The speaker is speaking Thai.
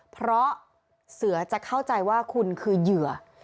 เพราะเสือจะเข้าใจว่าคุณคือเหยื่อ